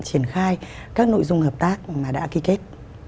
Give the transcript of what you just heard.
triển khai các nội dung hợp tác mà đã ký kết